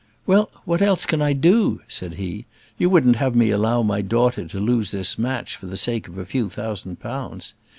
"Well, what else can I do?" said he. "You wouldn't have me allow my daughter to lose this match for the sake of a few thousand pounds?